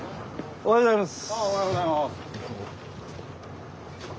おはようございます。